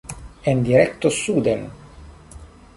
En direkto suden.